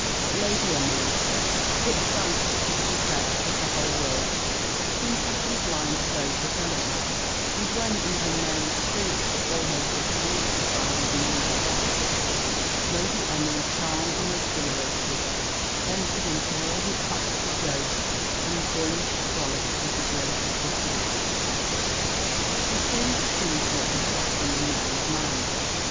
But Lady Emily, quick sighted to the defects of the whole world, seemed happily blind to those of her lover; and when even Mary's spirits were almost exhausted by his noisy rattle, Lady Emily, charmed and exhilarated, entered into all his practical jokes and boyish frolics with the greatest delight. She soon perceived what was passing in Mary's mind.